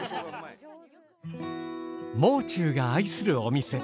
もう中が愛するお店。